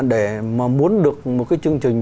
để mà muốn được một cái chương trình